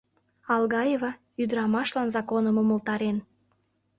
Алгаева ӱдырамашлан законым умылтарен.